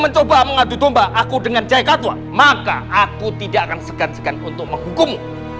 mencoba mengadu domba aku dengan jaya katua maka aku tidak akan segan segan untuk menghukummu